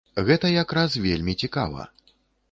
Гэта як раз вельмі цікава.